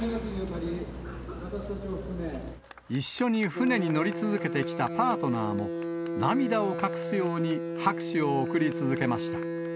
一緒に船に乗り続けてきたパートナーも、涙を隠すように拍手を送り続けました。